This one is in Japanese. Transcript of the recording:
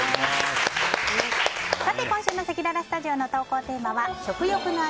今週のせきららスタジオの投稿テーマは食欲の秋！